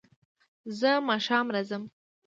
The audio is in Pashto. زه ماښام راځم